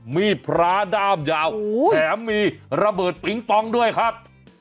มีดพระด้ามยาวแถมมีระเบิดปิ๊งปองด้วยครับ